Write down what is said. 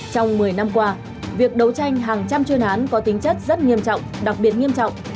trong một mươi năm qua việc đấu tranh hàng trăm chuyên án có tính chất rất nghiêm trọng đặc biệt nghiêm trọng